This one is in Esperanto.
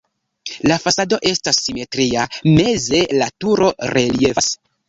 La fasado estas simetria, meze la turo reliefas.